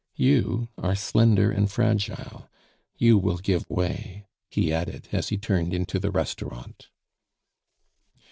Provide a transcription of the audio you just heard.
You are slender and fragile, you will give way," he added, as he turned into the restaurant.